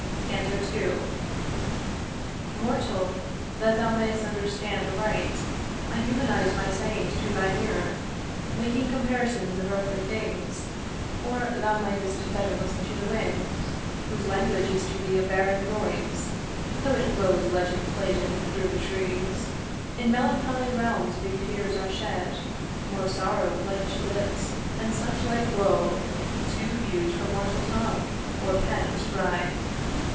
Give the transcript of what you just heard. CANTO II 'Mortal, that thou may'st understand aright, 'I humanize my sayings to thine ear, 'Making comparisons of earthly things; 'Or thou might'st better listen to the wind, 'Whose language is to thee a barren noise, 'Though it blows legend laden through the trees. 'In melancholy realms big tears are shed, 'More sorrow like to this, and such like woe, 'Too huge for mortal tongue, or pen of scribe.